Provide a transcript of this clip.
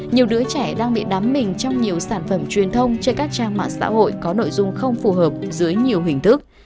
nhiều đứa trẻ đang bị đắm mình trong nhiều sản phẩm truyền thông trên các trang mạng xã hội có nội dung không phù hợp dưới nhiều hình thức